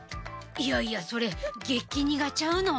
いやいやそれ、激ニガちゃうの？